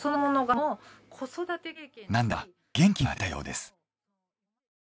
なんだか元気が出たようです。